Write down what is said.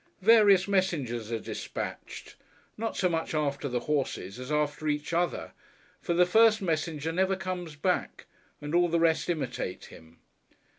Various messengers are despatched; not so much after the horses, as after each other; for the first messenger never comes back, and all the rest imitate him.